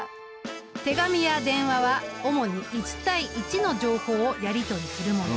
手紙や電話は主に１対１の情報をやり取りするもの。